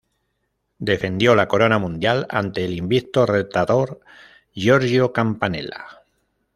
Defendió la corona mundial ante el invicto retador Giorgio Campanella.